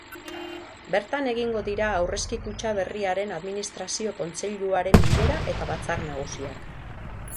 Bertan egingo dira aurrezki kutxa berriaren administrazio kontseiluaren bilera eta batzar nagusiak.